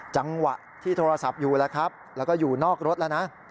จังหวะที่โทรศัพท์อยู่แล้วครับแล้วก็อยู่นอกรถแล้วนะ